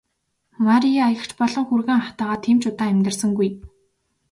Мария эгч болон хүргэн ахтайгаа тийм ч удаан амьдарсангүй.